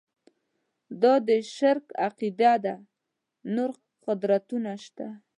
دا د شرک عقیده ده چې نور قدرتونه شته.